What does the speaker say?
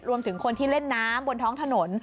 รวมถึงคนที่เล่นน้ำบนท้องถนน